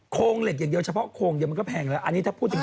โครงเหล็กเฉพาะเกิดมันก็แพงอันนี้ถ้าพูดจริง